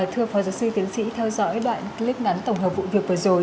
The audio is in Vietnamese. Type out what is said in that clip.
thưa phó giáo sư tiến sĩ theo dõi đoạn clip ngắn tổng hợp vụ việc vừa rồi